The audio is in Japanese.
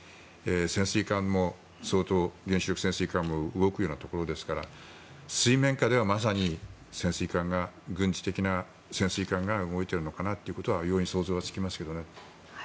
潜水艦も相当、原子力潜水艦も動くようなところですから水面下ではまさに潜水艦が軍事的な潜水艦が動いているのかなということは容易に想像がつきますけどね。